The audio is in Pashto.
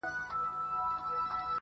o اوښ په غلبېل نه درنېږي!